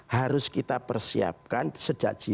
harus kita persiapkan sejak